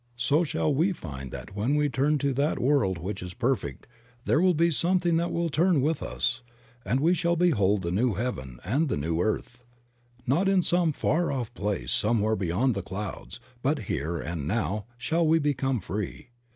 So shall we find that when we turn to that world which is perfect there will be something that will turn with us, and we shall behold the new heaven and the new earth; not in some far off place somewhere beyond the clouds, but here and now shall we become free.